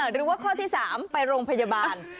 หรือว่าข้อที่๓ไปโรงพยาบาล